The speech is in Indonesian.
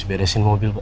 sberesin mobil pak